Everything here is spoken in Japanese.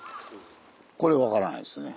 これ分からないですね。